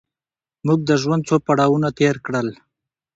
موږ د ژوند څو پړاوونه تېر کړل.